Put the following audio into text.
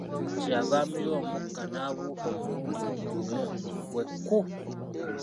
Kye yava amira omukka n'abuuka omulundi gumu bwe kku!